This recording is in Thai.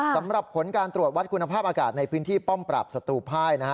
สำหรับผลการตรวจวัดคุณภาพอากาศในพื้นที่ป้อมปราบศัตรูภายนะฮะ